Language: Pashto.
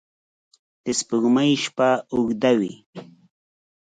د سپوږمۍ شپه اوږده وي